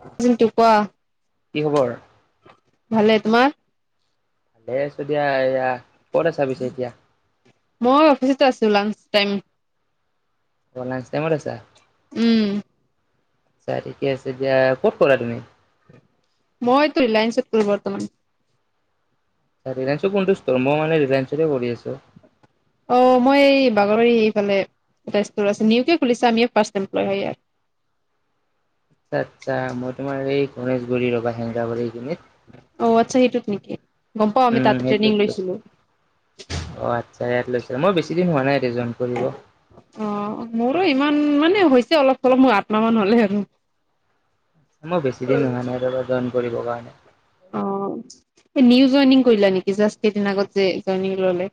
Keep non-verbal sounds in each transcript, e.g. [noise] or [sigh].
[unintelligible] কোৱা। কি খবৰ? ভালে, তোমাৰ? ভালেই আছো দিয়া। এইয়া ক'ত আছা পিছে এতিয়া? মই অফিচতে আছো, লাঞ্চ টাইম। অ' লাঞ্চ টাইমত আছা? উম। আচ্ছা ঠিকে আছে দিয়া। ক'ত ক'ৰা তুমি? মইতো ৰিলায়েন্সত কৰো বৰ্তমান। ৰিলায়েন্সৰ কোনটো ষ্টল, মই মানে ৰিলায়েন্সৰে কৰি আছো। অ' মই এই বাগৰি এইফালে। তাতে ষ্টল আছে, নিউকে খুলিছে আমিয়ে ফাৰ্ষ্ট এমপ্লই হয় ইয়াত। আচ্ছা আচ্ছা, মই তোমাৰ এই গণেশগুৰি ৰ'বা! হেংঙাবাৰীৰ অ আচ্ছা সেইটোত নেকি গম পাও সেইখিনিত। আমি উম তাতে ট্ৰেইনিং সেইটোৱেটো, লৈছিলো অ' আচ্ছা ইয়াত লৈছ। মই বেছি দিন হোৱা নাই, ইয়াতে জইন কৰিব। অ মোৰো ইমান মানে হৈছে অলপ চলপ মোৰ আঠ মাহ মান হ'লেই আৰু। মই বেছি দিন হোৱা নাই ৰ'বা! জইন কৰিবৰ কাৰণে। অ নিউ জইনিং কৰিলা নেকি? জাষ্ট কেইদিন আগত যে জইনিং ললে।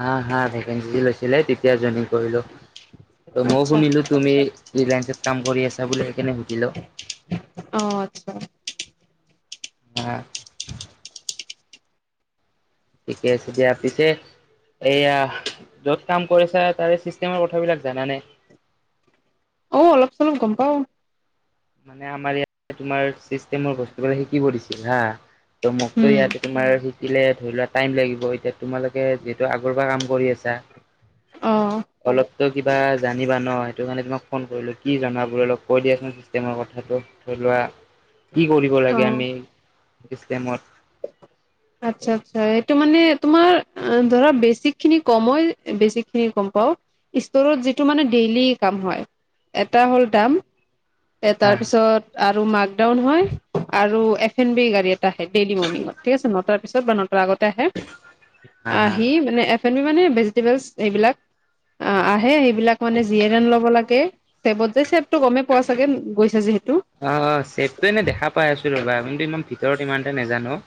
হা হা ভেকেঞ্চি ওলাইছিলে, তেতিয়া জইনিং কৰিলো। ত' মও আচ্ছা শুনিলো তুমি ৰিলায়েন্সত কাম কৰি আছা বুলি সেইকাৰণে সুধিলোঁ। অ' আচ্ছা। [unintelligible] ঠিকে আছে দিয়া পিছে এইয়া য'ত কাম কৰিছা তাৰে চিষ্টেমৰ কথাবিলাক জান নে অ অলপ চলত গম পাও মানে আমাৰ ইয়াতে তোমাৰ ছিচ তেমৰ বস্তু বিলাক শিকিব দিছিল হা ত' মোকতো উম ইয়াতে তোমাৰ শিকিলে ধৰি লোৱা টাইম লাগিব এতিয়া তোমালোকে যিহেতু আগৰ পৰা কাম কৰি আছা অ অলপতো কিবা জানিবা ন সেইটো কাৰণে তোমাক ফোন কৰিলো কি জানা বোৰ অলপ কৈ দিয়াচোন চিষ্টেমৰ কথা হাতত ধৰি লোৱা কি কৰিব লাগে অ আমি চিষ্টেমত। আচ্ছা, আচ্ছা এইটো মানে তোমাৰ ধৰা বেছি খিনি কমই বেছি খিনি গ'ম পাওঁ। ষ্ট'ৰত যিটো মানে ডেইলি কাম হয়, এটা হ'ল দাম এ হা তাৰ পিছত আৰু মাকডাউন হয় আৰু এফ এন বি গাড়ী এটা আহে ডেইলি মৰ্ণিঙত ঠিক আছে নটাৰ পিছত বা নটাৰ আগতে আহে হা হা আহি মানে এফ আমি মানে ভেজিটেবল এইবিলাক অ', আহে সেইবিলাক মানে জিয়ন ল'ব লাগে চেপত যে চেপ অ', চেপটটো এনেই দেখা পাই আছোঁ ৰ'বা কিন্তু ইমান ভিতৰত ইমানতে নাজানোঁ।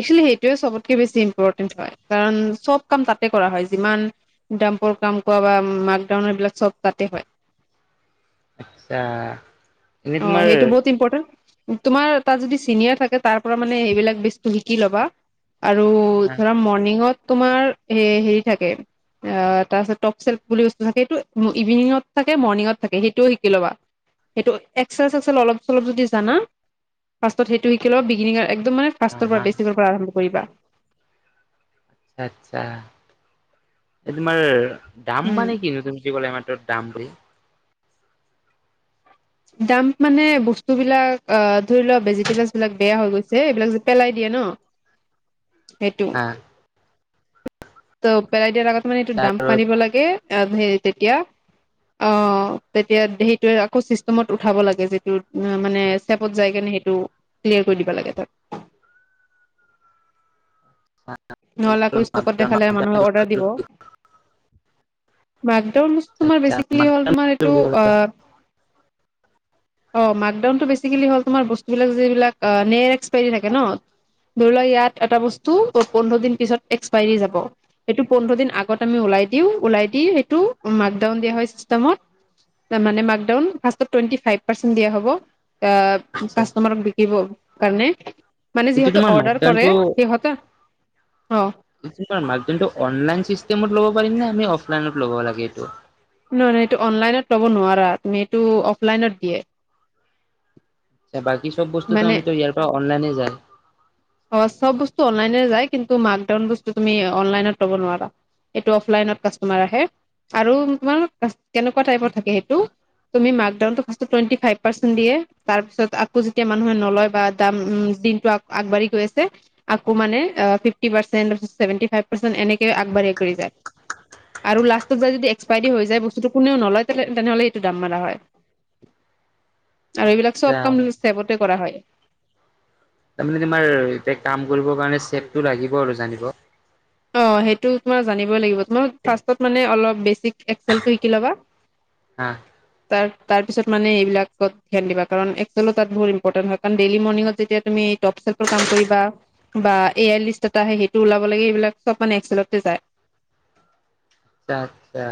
একচলি সেইটোৱে চবতকে বেছি ইম্পৰ্টেণ্ট হয়, কাৰণ চব কাম তাতে কৰা হয় যিমান পাম্প কাম কৰা বা মাকডাউন এইবিলাক চব তাতে হয়। আচ্ছা। এনে অ', তোমাৰ সেইটো বহুত ইম্পৰ্টেণ্ট। তোমাৰ তাত যদি চিনিয়ৰ থাকে তাৰ পৰা মানে সেইবিলাক বেস্তু শিকি ল'বা। আৰু হা ধৰা মৰ্ণিঙত তোমাৰ হেৰি থাকে। আহ তাৰপিছত টপ চেল্ফ বুলি বস্তু থাকে, সেইটো ইভিনিঙত থাকে মৰ্ণিঙত থাকে, সেইটোয়ও শিকি ল'বা। সেইটো এক্সেল চেক্সেল অলপ চলপ যদি জানা ফাৰ্ষ্ট সেইটো শিকি ল'বা বিগিনিঙত একদম মানে হা ফাৰ্ষ্টৰ পৰা হা বেচিকৰ পৰা আৰম্ভ কৰিবা। আচ্ছা, এই তোমাৰ দাম উম মানে কিনো তুমি যি কলা এ দামলৈ দাম মানে বস্তুবিলাক অ', ধৰি লোৱা ভেজিটেবলছ বিলাক বেয়া হৈ গৈছে, এইবিলাক যে পেলাই দিয়ে ন। সেইটোৱে। হা ত পেলাই দিয়াৰ আগত মানে এইটো ডাম্প মাৰিব লাগে হে তেতিয়া অ তেতিয়া হিটোৱে আকৌ চিষ্টেমত উঠাব লাগে যিটো মানে চেপত যায় কে [unintelligible] নহলাকৈ আকৌ ষ্টকত দেখালে মানুহে অৰ্ডাৰ দিব। বাকডাউন তোমাৰ বেচিকেলি হল তোমাৰ এইটো আহ [unintelligible] অ মাকডাউনটো বেচিকেল হ তাৰ বস্ত যিলাক নে এক্সপী থাকে ন? ধৰি লোৱা ইয়াত এটা বস্তু ি উ [unintelligible] [unintelligible] আহ কাষ্টমাৰক বিকিব কাৰণে মানে এইটো যিহেতু তোমাৰ অৰ্ডাৰ কৰে মাকডাউনটো সিহঁত অনলাইন চিষ্টেমত লব পাৰিম নে আমি অফলাইনত ল'ব লাগে এইটো নহ নহয় এইটো অনলাইনত ল'ব নোৱাৰা তুমি এইটো অফলাইনত দিয়ে। বাকী সব বস্তুটো মানে আমিতো ইয়াৰ পৰা অনলাইনে যায়। অ চব বস্তু অনলাইনে যায় কিন্তু মাঁকডাউন বস্তু তুমি অনলাইনত লব নোৱাৰা। এইটো অফলাইনত কাষ্টমাৰ আহে আৰু তোমাৰ কেনেকুৱা টাইপৰ থাকে সেইটো তুমি মাকডাউন তো টুৱেন্টি ফাইভ পাৰ্চেট দিয়ে তাৰ পিছত আকৌ যেতিয়া মানুহে নলয় বা উম দিনটো আগবঢ়ি হৈ আছে। আকৌ মানে অ'- fifty percent, seventy five percent এনেকে আগবাঢ়ি কৰি যায়। আৰু লাষ্টত যদি এক্সপাইৰী হৈ যায় বস্তুটো, কোনেও নলয় তেনেহলে এইটো দাম মাৰা হয়। আৰু এইবিলাক চব আচ্ছা কাম ছেবতে কৰা হয়। তাৰমানে তোমাৰ এতিয়া কাম কৰিবৰ কাৰণে ছেবটো লাগিব আৰু জানিব। অ' সেইটো তোমাৰ জানিবই লাগিব। তোমাৰ ফাৰ্ষ্টত মানে অলপ বেছিক এক্সেলটো শিকি ল'বা। হা তাৰ তাৰপিছত মানে এইবিলাকত ধ্যান দিবা। কাৰণ এক্সেলত তাত বহুত ইম্পৰ্টেণ্ট হয়, কাৰণ ডেইলি মৰ্ণিঙত যেতিয়া তুমি ফিছতবোৰ কাম কৰিবা বা এ আই লিষ্ট এটা আহে, সেইটো ওলাব লাগে এইবিলাক চব মানে এক্সেলতে যায়। আচ্ছা - আচ্ছা।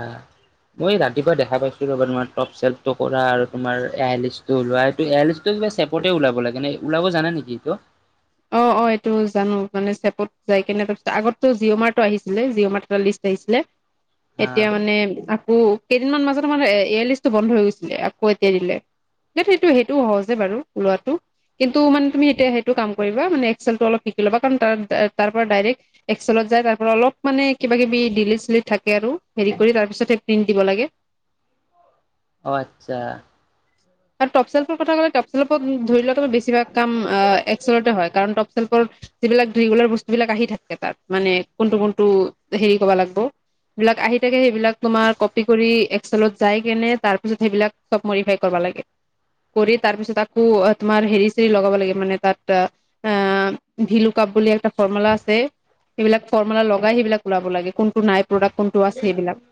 মই ৰাতিপুৱা দেখা পাইছোঁ ৰ'বা, তোমাৰ টপ ছেল্বটো কৰা আৰু তোমাৰ এই আই লিষ্টটো ওলোৱা। এইটো এ আই লিষ্টটো টো চেপতে ওলাব লাগে নে ওলাব জানা নেকি ইটো? অ' - অ' এইটো জানো, মানে ছেবত যাইকেনে তাৰপিছত- আগততো জি অ' মাৰ্টোৰ আহিছিলে। জি অ' মাৰ্টৰ এটা লিষ্ট আহিছিলে। হা এতিয়া মানে আকৌ কেইদিনমান মাজতে আমাৰ এ- এয়াৰলিষ্টটো বন্ধ হৈ গৈছিলে, আকৌ এতিয়া দিলে। সেইটো- সেইটোও সহজে বাৰু ওলোৱাটো, কিন্তু মানে তুমি এতিয়া সেইটো কাম কৰিবা, মানে এক্সেলটো অলপ শিকি লবা। কাৰণ তাৰ- তাৰপৰা ডাইৰেক্ট এক্সেলত যাই তাৰপৰা অলপ মানে কিবাকিবি ডিলে ছিলে থাকে আৰু। হেৰি কৰি তাৰপিছত এ প্ৰিন্ট দিব লাগে। অ' আচ্ছা। আৰু টপচেলটোৰ কথা ক'লে টপচেলত ধৰি লোৱা তুমি বেছিভাগ কাম অ'- এক্সেলতে হয়, কাৰণ টপচ্ ৰ যিবিলাক ৰেগুলাৰ বস্তুবিলাক আহি থাকে তাত, মানে কোনটো - কোনটো হেৰি ক'বা লাগব' বিলাক আহি থাকে, সেইবিলাক তোমাৰ কপি কৰি এক্সেলত যাই কেনে তাৰ পিছত সেইবিলাক চব মডিফাই কৰিব লাগে। কৰি তাৰ পিছত আকৌ তোমাৰ হেৰি চেৰি লগাব লাগে মানে তাত অ' ভিলুকাপ বুলি এটা ফৰ্মুলা আছে সেইবিলাক ফৰ্মুলা লগাই সেইবিলাক ওলাব লাগে কোনটো নাই প্ৰডাক্ট কোনটো আছে এইবিলাক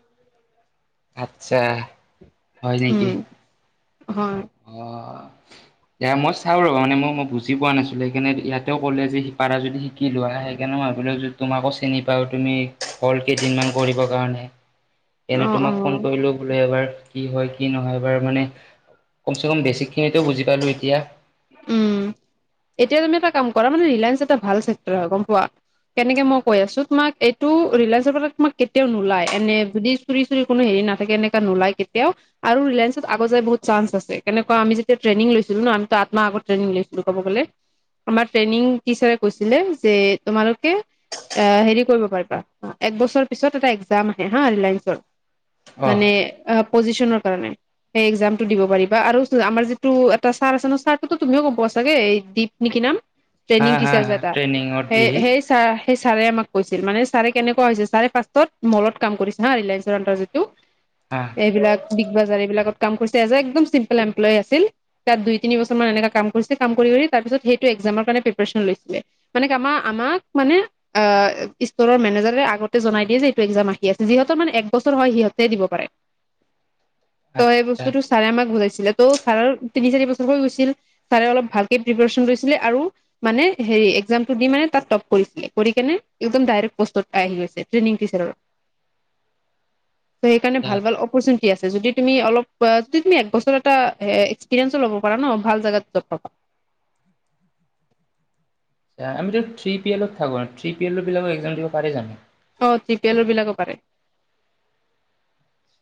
আচ্ছা হয় নেকি উম হয় অ' [inaudible] এ মই চাওঁ ৰবা মানে মোক মই বুজি পোৱা নাছিলো সেইকাৰণে ইয়াতেও ক'লে যে পাৰা যদি শিকি লোৱা সেইকাৰণে ম তোমাকো চিনি পাওঁ তুমি হ'ল কেইদিনমান কৰিবৰ কাৰণে অ এনেই অ তোমাক ফোন কৰিলো বোলে এবাৰ কি হয় কি নহয় এবাৰ মানে কমচে কম বেছিকখিনিতো বুজি পালোঁ এতিয়া উম এতিয়া তুমি এটা কাম কৰা মানে ৰিলায়েঞ্চ এটা ভাল চেক্টৰ হয় গম পোৱা কেনেকে মই কৈ আছো, তোমাক এইটো ৰিলায়ঞ্চ ফালৰ পৰা তোমাক কেতিয়াও নোলাই এনে যদি চুৰি তুৰি কোনো হেৰি নাথাকে এনেকা নোলায় কেতিয়াও আৰু ৰিলায়েঞ্চত আগুৱাই যোৱাৰ বহুত চাঞ্চ আছে কেনেুকুৱা আমি যেতিয়া ট্ৰেনিং লৈছিলো ন তাত মই আগত ট্ৰেনিং লৈছিলো ক'ব গ'লে আমাৰ ট্ৰেইনিং টিচাৰে কৈছিলে যে তোমালোকে আহ হেৰি কৰিব পাৰিবা এক বছৰ পিছত এটা এক্জাম আহে হা ৰিলায়ন্ঞ্চত অ মানে অ' পজিচনৰ কাৰণে সেই একজামটো দিব পাৰিবা আৰু আমাৰ যিটো এটা ছাৰ আছে ন ছাৰটোক তুমিও গম পোৱা চাগে দীপ নে কি নাম হা ট্ৰেইনিং হা টিচাৰছে হা এটা ট্ৰেইনিঙত সেই দিহি সেই চাৰ সেই ছাৰে আমাক কৈছিল মানে ছাৰে কেনেকুৱা হৈছে ছাৰে ফাৰ্ষ্টত মলত কাম কৰিছে হা ৰিলায়েন্ঞ্চৰ আৰ যিটো হা এইবিলাক বিগ বাজাৰ এইবিলাকত কাম কৰিছে এজ এ একদম চিম্পল এমপ্লয়ী আছিল তাত দুই তিনি বছৰমান কাম কৰি তাৰ পিছত সেইটো একজামৰ কাৰণে প্ৰিপিয়েচন লৈছিল৷ মানে কি আমাক ষ্টৰ মেনেজ আগতেই দিয়ে যে এইটো আহি আ যিহৰ মানে এক বছৰ হয় সিহ দিব পাৰে, ত সেই আচ্ছা বস্তুটো আচ্ছা ছাৰে আমাক বুজাইছিল ত তিৰি চাৰি ব গৈছিল, ছাৰে অলপ ভালকে প্ৰিপন কৰিছিলে আৰু মানে হেৰি একজামটো দি মানে তাত টপ কৰি কৰি কেনে একদম ডাইৰেক্ পোষ্টত আহি গৈছে ট্ৰেইং টিচাৰ ত' সেইকাৰণে ভাল ভাল অপৰচ আছৈ যদি তুমি অলপ য তুমি একবছৰ এটা এক্সপিৰিয়েঞ্চ ল'ব প ন ভাল জাগাতপ আমিতো থি পি এলত থাকো থি পি এলৰ বিলাক এক্সাম দিব পাৰি যানো অ জি পি এলৰ বিলাকো পাৰে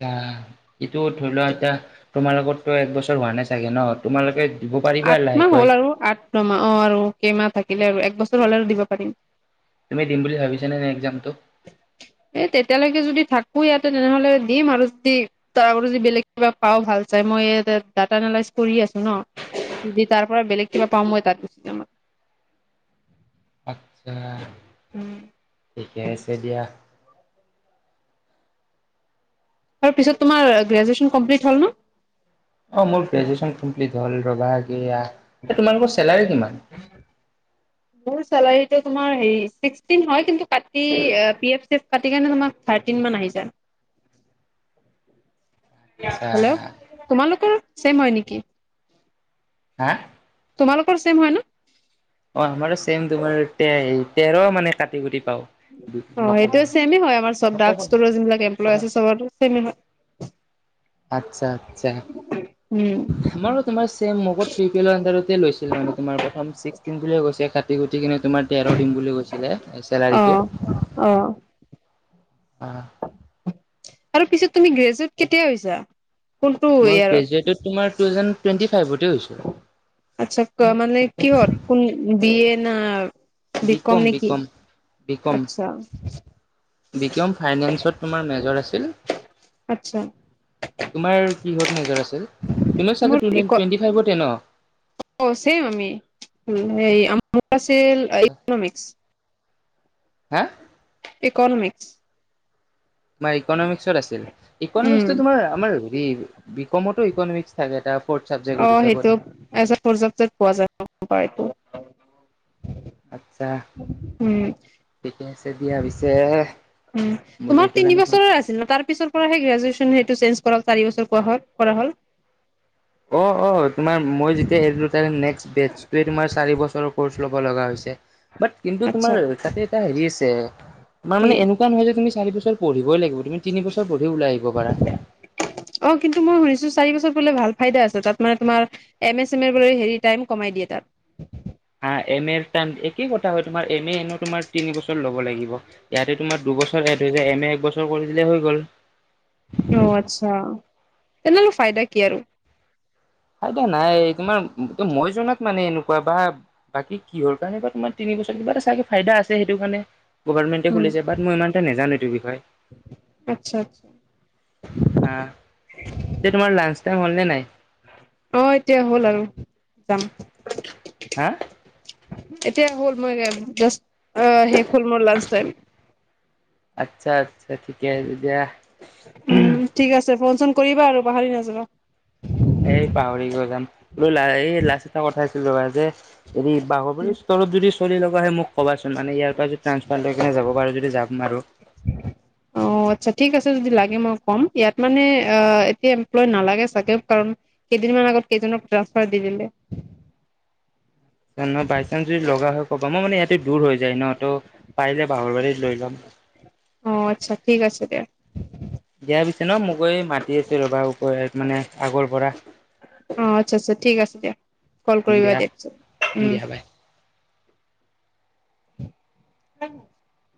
এইটো ধৰি লোৱা এতিয়া তোমালোকতো একবছৰ হোৱা নাই চাগে ন তোমালোকে দিব পাৰিবা আঠ মাহ লাহেকৈ হ'ল আৰু আঠমাহ অ আৰু কেইমাহ থাকিলে আৰু এক বছৰ হলে আৰু দিব পাৰিম তুমি দিম বুলি ভাবিছানে নে এক্সামটো [unintelligible] এ তেতিয়ালৈকে যদি থাকো ইয়াতে তেনেহলে দিম আৰু যদি ত আ যদি বেলেগ কিবা পাও ভাল তাই মই ডাটা নালাইজ কৰি আছো ন যদি তাৰ পৰা বেলেগ কিবা পাওঁ মই তাত গুি চি যাম [unintelligible] আত্ছা ঠিকে আছে দিয়া আৰু পিছত তোমাৰ গ্ৰেজুৱেশ্যন কমপ্লিট হ'ল ন অ মোৰ গ্ৰেজুৱচন কমপ্লিট হ'ল ৰবা গেয়া এ তোমালোকৰ চেলাৰী কিমান চেলাউৰি টো তোমাৰ হেৰি চিষ্টিন হয় কিন্ত কাতি এ পি এফ কাটিকেনে তোমাৰ থাৰ্টি ন মান আহি জায় [unintelligible] আচ্ছা হেল্ল' তোমালোকৰ চেম হয় নেকি হা তোমালোকৰ চেম হয় ন অ আমাৰো চেম তোমাৰ তে তেৰ মানে কাটি কুটি পাও অ সেইটো চেম হয় আমাৰব নক'ব না [unintelligible] [unintelligible] আচ্ছা আচ্ছা উম আমাৰো তোমাৰ চেম [unintelligible] গু গুটি কিনে তোমাৰ তেৰ দিম বুলি কৈছিলে অ চেলাৰীটো অ আহ আৰু পিছত তুমি গ্ৰেজট কেতিয়া হৈছা কোনটো মই গ্ৰেজুৱেটত তোমাৰ টু ইয়াৰত থাউজেণ্ড টুৱেণ্টি ফাইভতে হৈছোঁ আচ্ছা মানে কিহত কোন বি এ না বি কম নেকি আচ্ছা বিকম ফাইনেন্সত তোমাৰ মেজৰ আছিল আচ্ছা তোমাৰ কিহত মেজৰ আছিল তুমিও মোৰ চাগে ইক টুৱেণ্টি ফাইভতে ন অ চেম আমি হে ই আছিল ইকনমিকছ হা ইকনমিক্স তোমাৰ ইকনমিক্সত আছিল উম ইকনমিক্সো তোমাৰ আমাৰ হেৰি বিকমতো ইকনমিক্স থাকে এ তটা অ সেইটো এজ প্ৰজেক্ট পোৱা যায় পায়এইটো আচ্ছা ঠিকে আছে দিয়া পিছে উম বোলো তোমাৰ এইটো তিনি কাৰণে ফোন বছৰ আছিল তাৰ পিছৰ গেজুৱেচ হেটো চে কৰা হল চাৰি বছৰ কোৱা হল কৰা হ'ল অ অ তোমাৰ মই যেতিয়া এ [unintelligible] নেক্সট বেটোৱে তোমাৰ চাৰি বছৰ ল'ব লগা হৈছে বাট কিন্তু তোমাৰ আচ্ছা তাতে এটা হেৰি আছে তোমাৰ কি মান এনেকুৱা নহয় যে তুমি চাৰি বছৰ পঢ়িবই লাগিব তুমি তিন বছৰ পঢ়ি ওলাই আহিব পাৰা চাৰিবছৰ বোলে ভাল ফাইদা আছে তাত তোমাৰ এম এ চে মে হেৰি টাইম কমাই দিয়ে হা এম এৰ টাইম একেই কথা হয় তোমাৰ এম এ এনে তোমাৰ তিনি বছৰ ল'ব লাগিব ইয়াতে তোমাৰ দুবছৰ এ দু এম এ এক বছৰ কৰি দিলে হৈ গ'ল অ আচ্ছা তেনেহ'লে ফাইদা কি আৰু আইদা নাই তোমাৰ মই জনাত মানে এনেকুৱা বা বাকী কিহৰ কাৰণে বা তোমাৰ তিনি বছৰ কিবা এটা চাগে ফাইদা আছে সেইটো কাৰণে গভাৰমেণ্টে উম খুলিছে বাট মই ইমান এটা নাজানো সেইটো বিষয়ে আচ্ছা আচ্ছা বা এতিয়া তোমাৰ লাঞ্চ টাইম হ'ল নে নাই? অ', এতিয়া হ'ল আৰু যাম। হা এতিয়া হ'ল মই জাষ্ট অ', শেষ হ'ল মোৰ লান্স টাইম আচ্ছা আচ্ছা ঠিকে দিয়া। উম ঠিক আছে ফোন চোন কৰিবা আৰু পাহৰি নাযাবা। এই পাহৰি কিয় যাম বোলো এই লাচিত নগৰত [unintelligible] এৰি [unintelligible] স্তৰত যদি চলি ল'ব আহে মোক ক'বাচোন মানে ইয়াৰ পৰা যদি ট্ৰাঞ্চফাৰ লৈ যাব পাৰো যদি যাম আৰু অ', আচ্ছা ঠিক আছে যদি লাগে মই ক'ম ইয়াত মানে আহ এতিয়া এমপ্লয় নালাগে চাগে কাৰণ কেইদিনমান আগত কেইজনক ট্ৰানসফা দি দিলে বাই চান্ঞ্চ যদি লগা হয় ক'বা মই মানে ইয়াতে দূৰ হৈ যায় ন ত পাৰিলে বাহৰবাৰীত লৈ যাম। অ আচ্ছা ঠিক আছে দিয়া দিয়া পিছে ন মই গৈ মাতি আছো ৰবা ক মানে আগৰ পৰা অ আচ্ছা আচ্ছা ঠিক আছে দিয়া কল কৰিবা দিয়া পিছত উম দিয়া বাই। [inaudible]